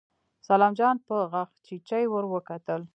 سلام جان په غاښچيچي ور وکتل.